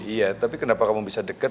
iya tapi kenapa kamu bisa dekat